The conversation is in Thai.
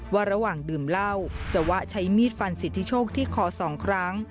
ว่าระหว่างดื่มเหล้าจวะใช้มีดฟันสิทธิโชคที่คอ๒ครั้ง